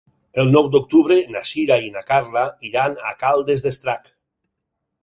El nou d'octubre na Sira i na Carla iran a Caldes d'Estrac.